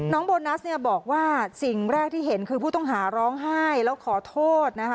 โบนัสเนี่ยบอกว่าสิ่งแรกที่เห็นคือผู้ต้องหาร้องไห้แล้วขอโทษนะคะ